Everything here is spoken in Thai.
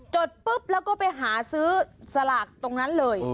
ดปุ๊บแล้วก็ไปหาซื้อสลากตรงนั้นเลย